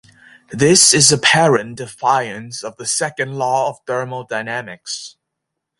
This is in apparent defiance of the second law of thermodynamics.